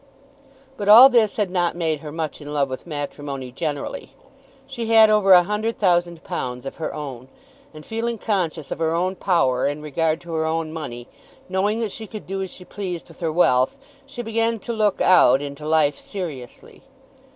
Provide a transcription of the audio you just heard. But all this had not made her much in love with matrimony generally. She had over a hundred thousand pounds of her own, and, feeling conscious of her own power in regard to her own money, knowing that she could do as she pleased with her wealth, she began to look out into life seriously.